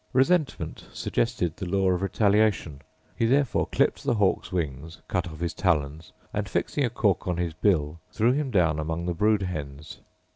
Resentment suggested the law of retaliation; he therefore clipped the hawk's wings, cut off his talons, and, fixing a cork on his bill, threw him down among the brood hens.